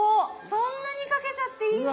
そんなにかけちゃっていいの？